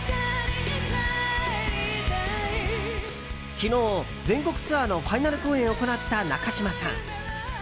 昨日、全国ツアーのファイナル公演を行った中島さん。